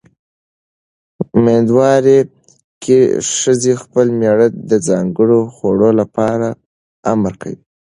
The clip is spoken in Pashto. مېندوارۍ کې ښځې خپل مېړه د ځانګړو خوړو لپاره امر کوي.